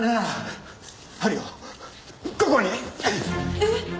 えっ？